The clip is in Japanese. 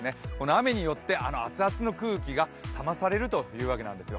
雨によって熱々の空気が冷まされるというわけなんです。